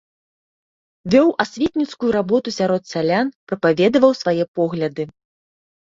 Вёў асветніцкую работу сярод сялян, прапаведаваў свае погляды.